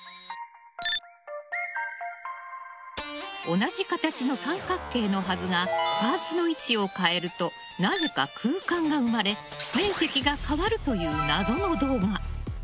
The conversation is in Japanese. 同じ形の三角形のはずがパーツの位置を変えるとなぜか空間が生まれ面積が変わるという謎の動画。